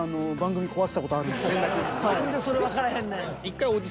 「何でそれわからへんねん」。